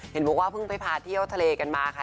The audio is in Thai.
เห็นบอกว่าเพิ่งไปพาเที่ยวทะเลกันมาค่ะ